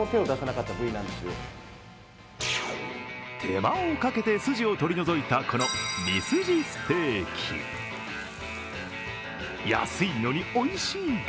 手間をかけて筋を取り除いたこのミスジステーキ安いのにおいしい。